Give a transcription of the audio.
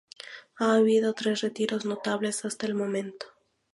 Ha habido tres retiros notables hasta el momento.